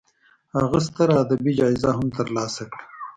هغه ستره ادبي جایزه هم تر لاسه کړه.